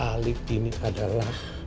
alif ini adalah